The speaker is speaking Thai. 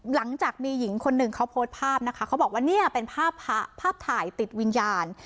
หลังจากมีหญิงคนหนึ่งเขาโพสต์ภาพนะคะเขาบอกว่าเนี่ยเป็นภาพภาพถ่ายติดวิญญาณ